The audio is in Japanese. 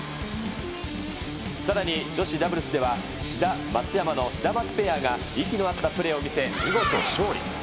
さらに女子ダブルスでは、志田・松山のシダマツペアが息の合ったプレーを見せ、見事勝利。